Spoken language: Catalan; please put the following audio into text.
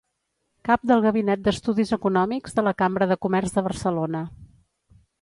cap del gabinet d'estudis econòmics de la Cambra de Comerç de Barcelona